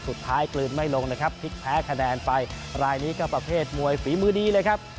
กลืนไม่ลงนะครับพลิกแพ้คะแนนไปรายนี้ก็ประเภทมวยฝีมือดีเลยครับ